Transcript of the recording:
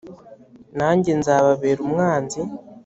nanjye nzababera umwanzi